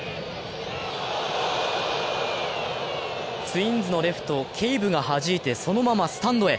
ツインズのレフト・ケイブがはじいて、そのままスタンドへ。